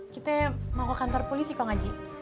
kita mau ke kantor polisi kok ngaji